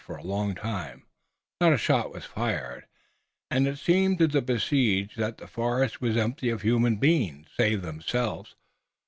For a long time, not a shot was fired, and it seemed to the besieged that the forest was empty of human beings save themselves.